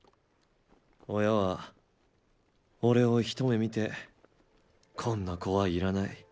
親は俺をひと目見て「こんな子はいらない」